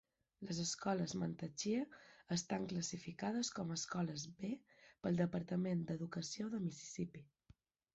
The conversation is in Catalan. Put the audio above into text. Les escoles Mantachie estan classificades com a escoles "B" pel Departament d'Educació de Mississippi.